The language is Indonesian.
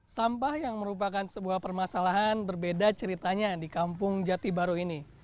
sampah yang merupakan sebuah permasalahan berbeda ceritanya di kampung jati baru ini